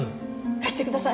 貸してください。